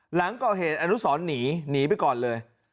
หลังก่อเหตุอนุสรหนีหนีไปก่อนเลย